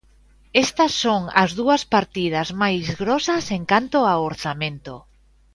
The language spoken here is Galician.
Estas son as dúas partidas máis grosas en canto a orzamento.